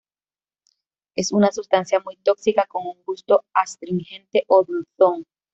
Es una sustancia muy tóxica con un gusto astringente o dulzón.